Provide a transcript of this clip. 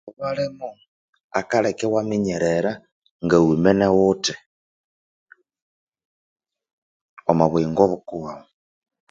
Bukalheka iwaminya ngawemene ghuthi omwa buyingo bwaghu mwaghuthi